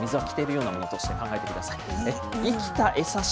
水はきているようなものとして考えてください。